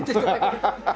ハハハハ！